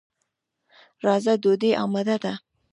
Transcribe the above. راځه، ډوډۍ اماده ده.